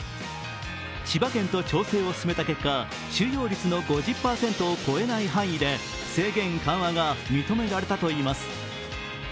千葉県と調整を進めた結果収容率の５０％を超えない範囲で制限緩和が認められたといいます。